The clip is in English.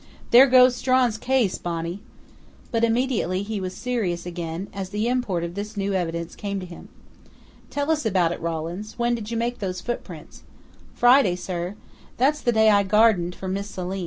"There goes Strawn's case, Bonnie!" But immediately he was serious again, as the import of this new evidence came to him. "Tell us all about it, Rawlins.... When did you make those footprints?" "Friday, sir. That's the day I gardened for Mis' Selim....